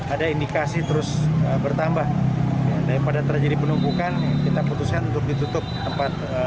ada indikasi terus bertambah daripada terjadi penumpukan kita putuskan untuk ditutup tempat